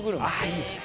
いいですね